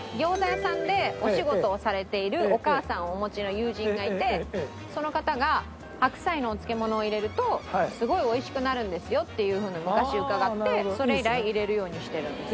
屋さんでお仕事をされているお母さんをお持ちの友人がいてその方が白菜のお漬物を入れるとすごい美味しくなるんですよっていうふうに昔伺ってそれ以来入れるようにしてるんです。